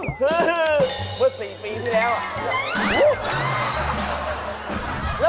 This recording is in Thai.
เมื่อสี่ปีที่แล้ว